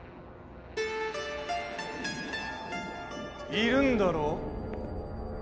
いるんだろ？